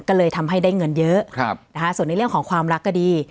ก็เลยทำให้ได้เงินเยอะส่วนในเรื่องของความรักก็ดี